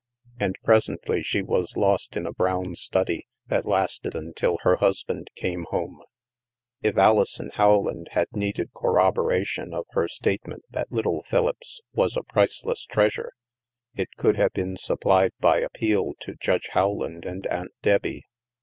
And presently she was lost in a brown study that lasted until her husband came home. THE MAELSTROM 231 If Alison Howland had needed corroboration of her statement that little Philippse was a priceless treasure, it could have been supplied by appeal to Judge Howland and Aunt Debbie.